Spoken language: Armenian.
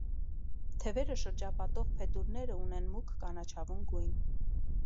Թևերը շրջապատող փետուրները ունեն մուգ կանաչավուն գույն։